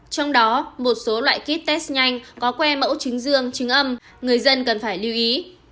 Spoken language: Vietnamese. trong đó một số loại kit test nhanh có que mẫu chứng dương trứng âm người dân cần phải lưu ý